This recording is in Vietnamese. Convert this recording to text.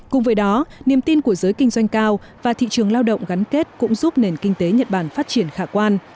cùng với đó niềm tin của giới kinh doanh cao và thị trường lao động gắn kết cũng giúp nền kinh tế nhật bản phát triển khả quan